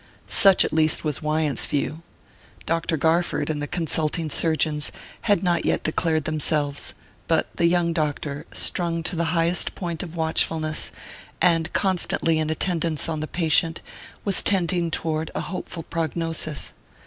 Such at least was Wyant's view. Dr. Garford and the consulting surgeons had not yet declared themselves; but the young doctor, strung to the highest point of watchfulness, and constantly in attendance on the patient, was tending toward a hopeful prognosis.